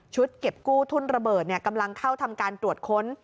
เก็บกู้ทุ่นระเบิดกำลังเข้าทำการตรวจค้น